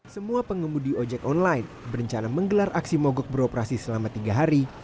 semua pengemudi ojek online berencana menggelar aksi mogok beroperasi selama tiga hari